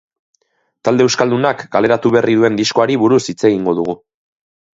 Talde euskaldunak kaleratu berri duen diskoari buruz hitz egingo dugu.